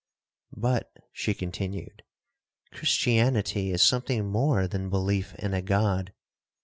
'But,' she continued, 'Christianity is something more than belief in a God.